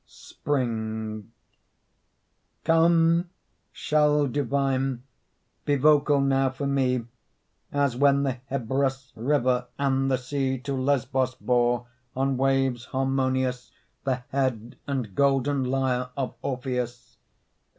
SPRING Come, shell divine, be vocal now for me, As when the Hebrus river and the sea To Lesbos bore, on waves harmonious, The head and golden lyre of Orpheus.